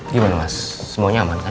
gimana mas semuanya aman kan